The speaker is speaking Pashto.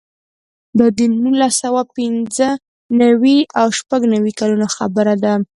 دا د نولس سوه پنځه نوي او شپږ نوي کلونو خبره ده.